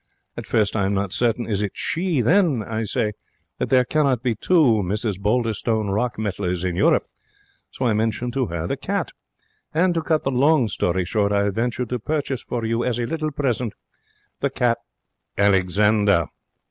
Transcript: At first I am not certain is it she. Then I say that there cannot be two Mrs Balderstone Rockmettlers in Europe, so I mention to her the cat. And, to cut the long story short, I have ventured to purchase for you as a little present the cat Alexander.'